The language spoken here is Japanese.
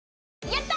やった！